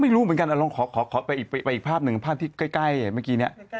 ไม่รู้เหมือนกันลองขอไปอีกภาพหนึ่งภาพที่ใกล้เมื่อกี้นี้